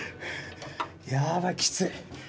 やばいきつい。